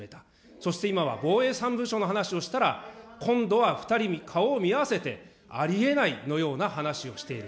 そして今は防衛３文書の話をしたら、今度は２人顔を見合わせて、ありえないのような話をしている。